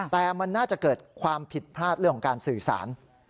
แต่มันน่าจะเกิดความผิดพลาดเรื่องของการสื่อสาร